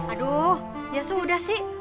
aduh ya sudah sih